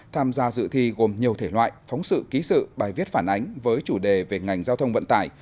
tham gia dự thi gồm nhiều thể loại phóng sự ký sự bài viết phản ánh với chủ đề về ngành giao thông vận tải